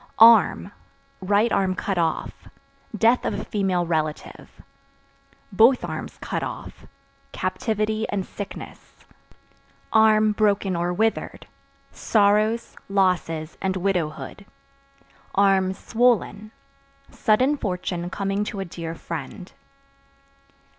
Arm (Right arm cut off) death of a female relative; (both arms cut off) captivity and sickness; (broken or withered) sorrows, losses and widowhood; (swollen) sudden fortune coming to a dear friend.